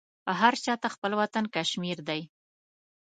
هر چاته خپل وطن کشمیر دی